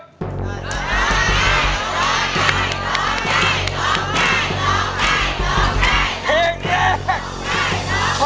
เพรงแรก